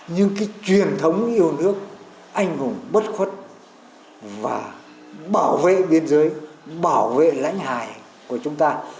nhưng cái truyền thống yêu nước anh hùng bất khuất và bảo vệ biên giới bảo vệ lãnh hài của chúng ta